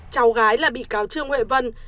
cháu gái là bị cáo trương huệ vân